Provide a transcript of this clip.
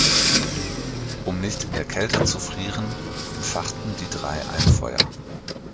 Um nicht in der Kälte zu frieren, entfachen die drei ein Feuer.